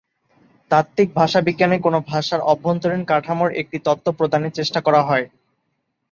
তাত্ত্বিক ভাষাবিজ্ঞানে কোন ভাষার অভ্যন্তরীণ কাঠামোর একটি তত্ত্ব প্রদানের চেষ্টা করা হয়।